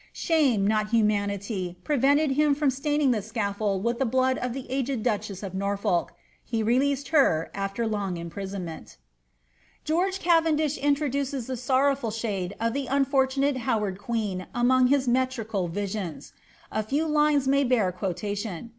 * Shame, not humanity, prevented him from staining the scafibld with the blood of the aged duchess d Norfolk ; he released her, after long imprisonment' George Cavendish introduces the sorrowful shade of the unfortnoite Howard queen among his metiical visions. A few lines may bear qoo tation.